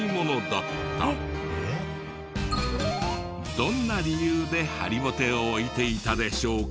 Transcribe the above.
どんな理由でハリボテを置いていたでしょうか？